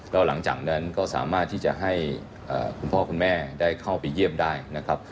แล้วหลังจากนั้นก็สามารถที่จะให้คุณพ่อคุณแม่ได้เข้าไปเยี่ยมได้นะครับ